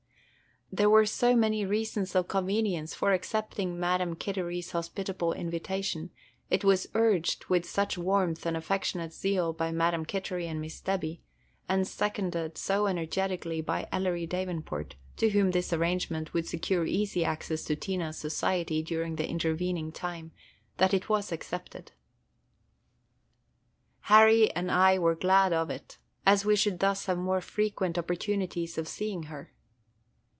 There were so many reasons of convenience for accepting Madam Kittery's hospitable invitation, it was urged with such warmth and affectionate zeal by Madam Kittery and Miss Debby, and seconded so energetically by Ellery Davenport, to whom this arrangement would secure easy access to Tina's society during the intervening time, that it was accepted. Harry and I were glad of it, as we should thus have more frequent opportunities of seeing her.